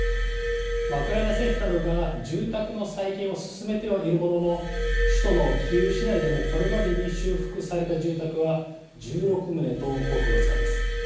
ウクライナ政府などが住宅の再建を進めてはいるものの首都のキーウ市内でもこれまでに修復された住宅は１６棟と、ごく僅かです。